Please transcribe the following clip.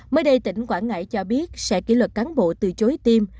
mới đây tỉnh quảng ngãi cho biết sẽ kỷ luật cán bộ từ chối tim